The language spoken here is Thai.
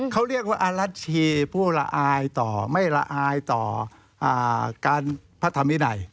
เขาเรียกว่าอรัชชีผู้ละอายต่อไม่ละอายต่อการพระธรรมวินัย